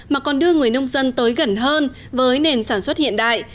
mà còn đưa người nông dân tới gần hơn với nền sản xuất hiện đại